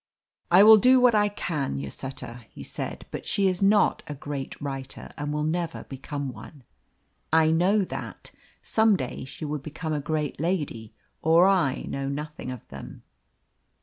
"I will do what I can, Lloseta," he said. "But she is not a great writer, and will never become one." "I know that. Some day she will become a great lady, or I know nothing of them."